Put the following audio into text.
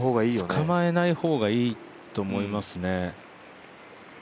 つかまえない方がいいと思いますね。